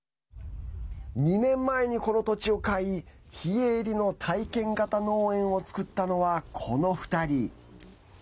２年前に、この土地を買い非営利の体験型農園を作ったのはこの２人。